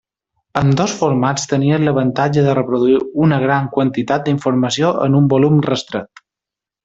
Ambdós formats tenien l'avantatge de reproduir una gran quantitat d'informació en un volum restret.